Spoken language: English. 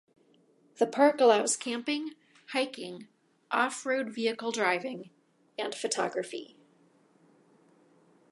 The park allows camping, hiking, off-road vehicle driving, and photography.